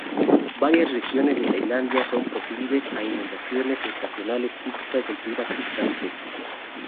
Varias regiones de Tailandia son proclives a inundaciones estacionales típicas del clima tropical seco.